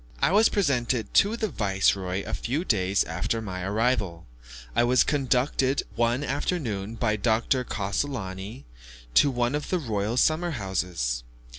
I was presented to the viceroy a few days after my arrival. I was conducted one afternoon by Dr. Cassolani to one of the royal summer houses.